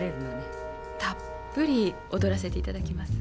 たっぷり踊らせていただきます。